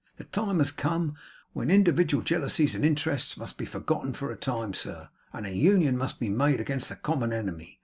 The time has come when individual jealousies and interests must be forgotten for a time, sir, and union must be made against the common enemy.